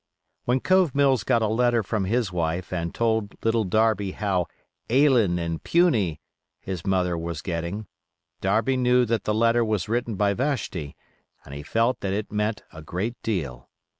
When Cove Mills got a letter from his wife and told Little Darby how "ailin'" and "puny" his mother was getting, Darby knew that the letter was written by Vashti, and he felt that it meant a great deal.